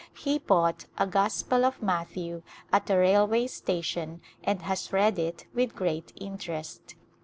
He bought a Gospel of Matthew at a railway station and has read it with great interest.